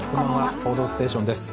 「報道ステーション」です。